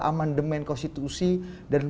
amandemen konstitusi dan